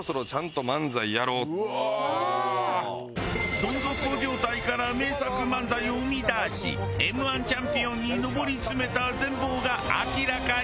ドン底状態から名作漫才を生み出しＭ−１チャンピオンに上り詰めた全貌が明らかに！